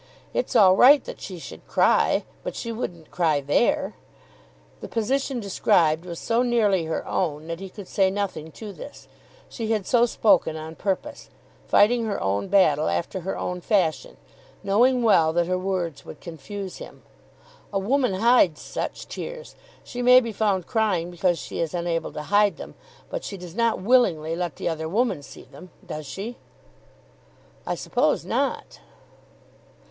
It's all right that she should cry, but she shouldn't cry there." The position described was so nearly her own, that he could say nothing to this. She had so spoken on purpose, fighting her own battle after her own fashion, knowing well that her words would confuse him. "A woman hides such tears. She may be found crying because she is unable to hide them; but she does not willingly let the other woman see them. Does she?" "I suppose not."